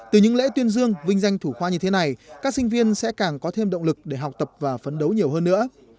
từ những lễ tuyên dương vinh danh thủ khoa như thế này các sinh viên sẽ càng có thêm động lực để học tập và phấn đấu nhiều hơn nữa